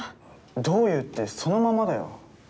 どういうってそのままだよ